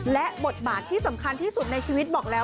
และบทบาทที่สำคัญที่สุดในชีวิตบอกแล้ว